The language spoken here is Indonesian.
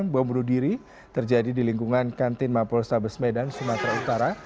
bom bunuh diri terjadi di lingkungan kantin mapol stabis medan sumatera utara